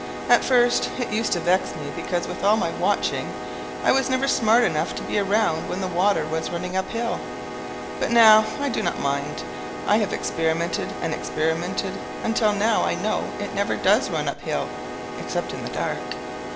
At first it used to vex me because, with all my watching, I was never smart enough to be around when the water was running uphill; but now I do not mind it. I have experimented and experimented until now I know it never does run uphill, except in the dark.